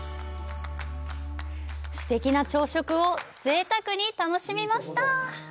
すてきな朝食をぜいたくに楽しみました。